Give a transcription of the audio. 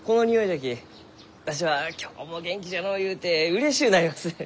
わしは今日も元気じゃのうゆうてうれしゅうなります。